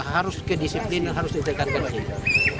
harus kedisiplin harus ditekan dekin